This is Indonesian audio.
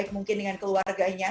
mungkin dengan keluarganya